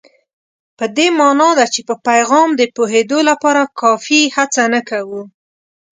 په دې مانا ده چې په پیغام د پوهېدو لپاره کافي هڅه نه کوو.